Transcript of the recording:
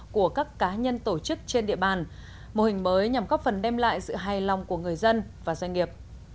của các cá nhân tổ chức trên địa bàn mô hình mới nhằm góp phần đem lại sự hài lòng của người dân và doanh nghiệp